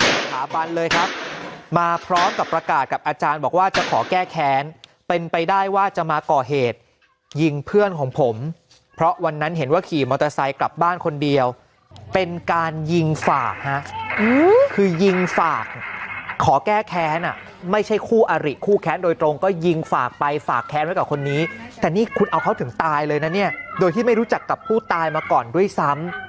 ที่สถาบันเลยครับมาพร้อมกับประกาศกับอาจารย์บอกว่าจะขอแก้แค้นเป็นไปได้ว่าจะมาก่อเหตุยิงเพื่อนของผมเพราะวันนั้นเห็นว่าขี่มอเตอร์ไซค์กลับบ้านคนเดียวเป็นการยิงฝากฮะคือยิงฝากขอแก้แค้นอ่ะไม่ใช่คู่อาริคู่แค้นโดยตรงก็ยิงฝากไปฝากแค้นไว้กับคนนี้แต่นี่คุณเอาเขาถึงตายเลยนะเนี่ยโดยที่ไม่รู้จักกับผู้ตายมาก่อนด้วยซ้ำ